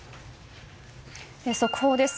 速報です。